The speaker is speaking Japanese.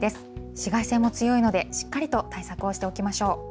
紫外線も強いのでしっかりと対策をしておきましょう。